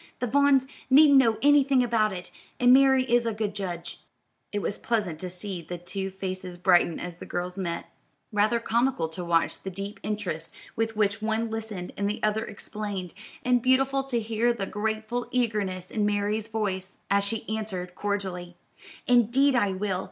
The Vaughns needn't know anything about it; and Mary is a good judge." It was pleasant to see the two faces brighten as the girls met; rather comical to watch the deep interest with which one listened and the other explained; and beautiful to hear the grateful eagerness in Mary's voice, as she answered cordially: "Indeed I will!